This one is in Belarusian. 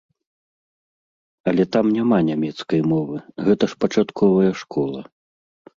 Але там няма нямецкай мовы, гэта ж пачатковая школа.